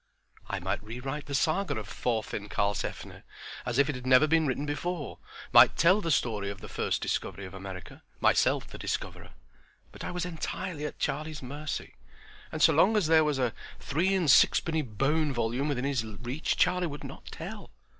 I might rewrite the Saga of Thorfin Karlsefne as it had never been written before, might tell the story of the first discovery of America, myself the discoverer. But I was entirely at Charlie's mercy, and so long as there was a three and six penny Bohn volume within his reach Charlie would not tell.